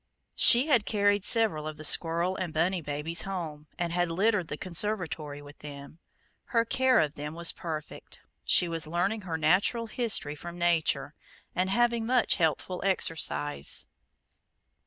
She had carried several of the squirrel and bunny babies home, and had littered the conservatory with them. Her care of them was perfect. She was learning her natural history from nature, and having much healthful exercise.